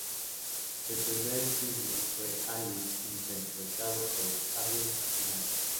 El primer single fue "Alice" interpretado por Avril Lavigne.